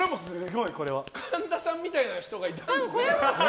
これは神田さんみたいな人がいたんですね。